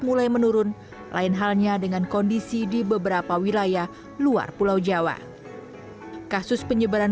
mulai menurun lain halnya dengan kondisi di beberapa wilayah luar pulau jawa kasus penyebaran